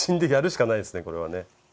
これはね。